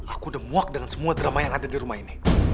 aku the muak dengan semua drama yang ada di rumah ini